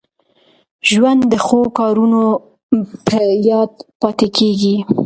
ژوند د ښو کارونو په یاد پاته کېږي.